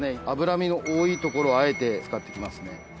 脂身の多いところをあえて使っていきますね。